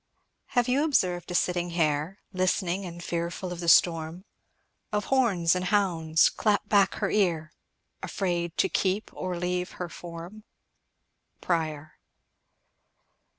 Have you observed a sitting hare, List'ning, and fearful of the storm Of horns and hounds, clap back her ear, Afraid to keep or leave her form? Prior.